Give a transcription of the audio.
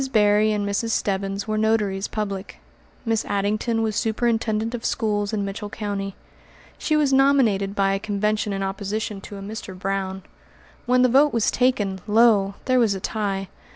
Berry and Mrs. Stebbins were notaries public. Miss Addington was superintendent of schools in Mitchell County. She was nominated by a convention in opposition to a Mr. Brown. When the vote was taken, lo! there was a tie.